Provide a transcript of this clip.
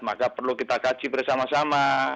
maka perlu kita kaji bersama sama